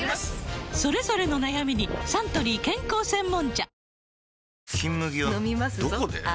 それぞれの悩みにサントリー健康専門茶